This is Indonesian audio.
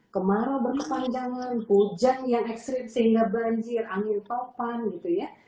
kemarau berkepanjangan hujan yang ekstrim sehingga banjir angin topan gitu ya